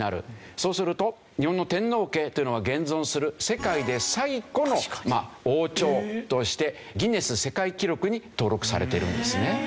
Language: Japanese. そうすると日本の天皇家というのは現存する世界で最古の王朝としてギネス世界記録に登録されているんですね。